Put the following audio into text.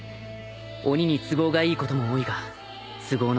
鬼に都合がいいことも多いが都合の悪いことも多い。